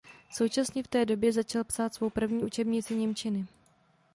Současně v té době začal psát svou první učebnici němčiny.